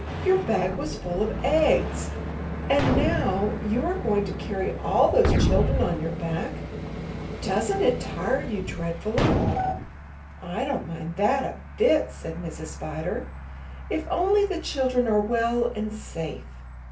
Your bag was full of eggs! And, now, you are going to carry all those children on your back? Doesn't it tire you dreadfully?" ''I don't mind that a bit,*' said Mrs. Spider, *'if only the children are well and safe.